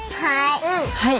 はい。